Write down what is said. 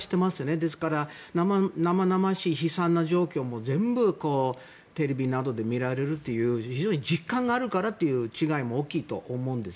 ですから、生々しい悲惨な状況も全部テレビなどで見られるという非常に実感があるからという違いも大きいと思うんです。